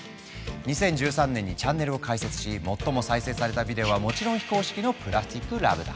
２０１３年にチャンネルを開設し最も再生されたビデオはもちろん非公式の「ＰＬＡＳＴＩＣＬＯＶＥ」だ。